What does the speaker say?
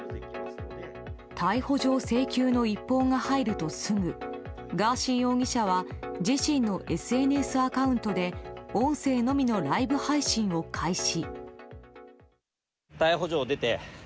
逮捕状請求の一報が入るとすぐガーシー容疑者は自身のＳＮＳアカウントで音声のみのライブ配信を開始。